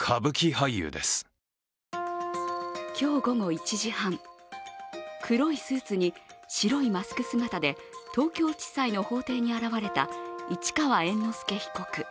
今日午後１時半、黒いスーツに白いマスク姿で東京地裁の法廷に現れた市川猿之助被告。